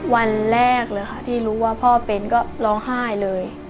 วันแรกเลยค่ะที่รู้ว่าพ่อเป็นก็ร้องไห้เลย